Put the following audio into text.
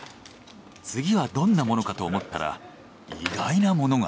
次はどんなものかと思ったら意外なものが。